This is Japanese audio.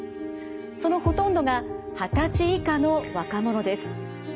そのほとんどが二十歳以下の若者です。